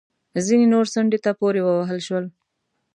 ځینې نور څنډې ته پورې ووهل شول